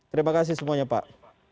terima kasih semuanya pak